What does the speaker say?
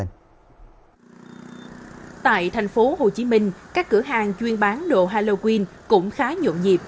tại tp hcm các cửa hàng chuyên bán đồ halloween cũng khá nhộn nhịp